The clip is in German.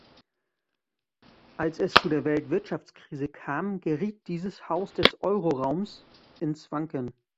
Als es zu der Weltwirtschaftskrise kam, geriet dieses Haus des Euroraums ins Wanken.